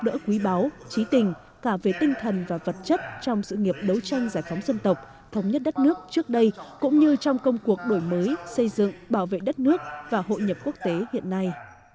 đó là về tinh thần và vật chất trong sự nghiệp đấu tranh giải phóng dân tộc thống nhất đất nước trước đây cũng như trong công cuộc đổi mới xây dựng bảo vệ đất nước và hội nhập quốc tế hiện nay